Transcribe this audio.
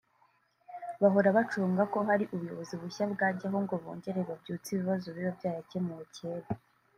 bahora bacunga ko hari ubuyobozi bushya bwajyaho ngo bongere babyutse ibibazo biba byarakemuwe kera